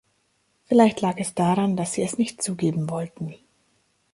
Vielleicht lag es daran, dass sie es nicht zugeben wollten.